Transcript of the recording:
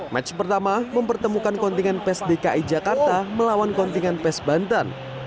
match pertama mempertemukan kontingen pes dki jakarta melawan kontingan pes banten